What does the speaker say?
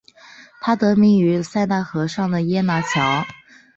它得名于塞纳河上的耶拿桥。